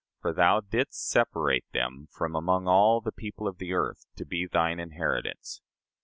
For thou didst separate them from among all the people of the earth, to be thine inheritance."